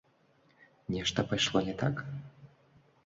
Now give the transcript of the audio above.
Нешта пайшло не так?